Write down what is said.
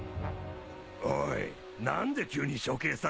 おい何で急に処刑されてんだ？